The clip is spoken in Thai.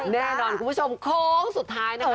แน่นอนคุณผู้ชมโค้งสุดท้ายนะคะ